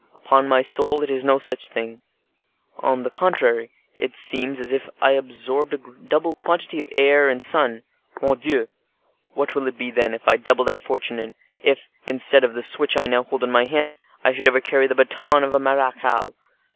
Upon my soul, it is no such thing, on the contrary, it seems as if I absorbed a double quantity of air and sun. Mordioux! what will it be then, if I double that fortune; and if, instead of the switch I now hold in my hand, I should ever carry the baton of a marechal?